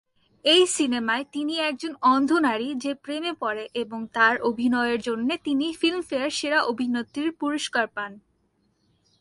এই সিনেমায় তিনি একজন অন্ধ নারী যে প্রেমে পড়ে এবং তার অভিনয়ের জন্যে তিনি ফিল্মফেয়ার সেরা অভিনেত্রীর পুরস্কার পান।